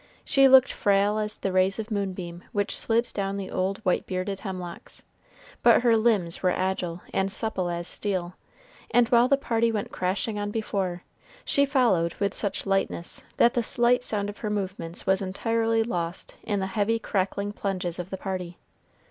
She looked frail as the rays of moonbeam which slid down the old white bearded hemlocks, but her limbs were agile and supple as steel; and while the party went crashing on before, she followed with such lightness that the slight sound of her movements was entirely lost in the heavy crackling plunges of the party.